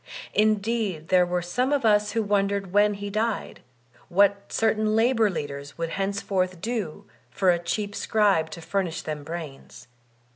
Indeed there were some of us who Dyer D. Lum 285 wondered when he died, what certain labor leaders would henceforth do for a cheap scribe to furnish them brains.